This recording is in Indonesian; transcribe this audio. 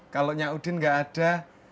kalau nyaudin gak ada